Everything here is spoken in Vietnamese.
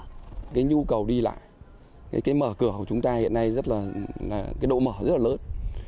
cái nhu cầu đi lại cái mở cửa của chúng ta hiện nay rất là cái độ mở rất là lớn